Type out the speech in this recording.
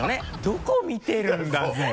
「どこ見てるんだぜぇ」？